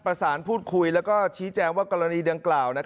ประสานพูดคุยแล้วก็ชี้แจงว่ากรณีดังกล่าว